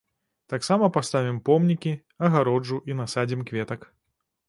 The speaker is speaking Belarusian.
Таксама паставім помнікі, агароджу і насадзім кветак.